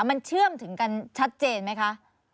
มันเชื่อมถึงกันชัดเจนไหมคะ